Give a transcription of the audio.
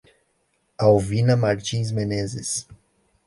Alvina Martins Menezes